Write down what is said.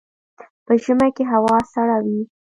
په ژمي کې هوا سړه وي